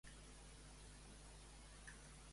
Poveda afirma que s'ha d'invertir en el transport públic.